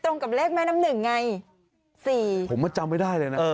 กับเลขแม่น้ำหนึ่งไงสี่ผมมาจำไม่ได้เลยนะเออ